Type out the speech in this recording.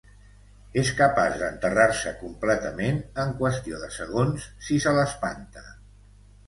És capaç d'enterrar-se completament en qüestió de segons si se l'espanta.